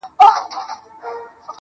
او په هغه څه کې ځان ورننباسي